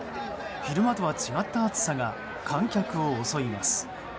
昼間とは違った暑さが観客を襲います。